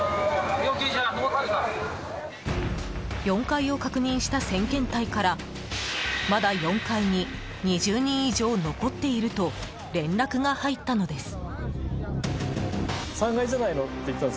４階を確認した先遣隊からまだ、４階に２０人以上残っていると連絡が入ったのです。